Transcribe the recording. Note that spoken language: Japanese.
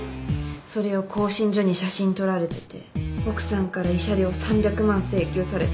それを興信所に写真撮られてて奥さんから慰謝料３００万請求された。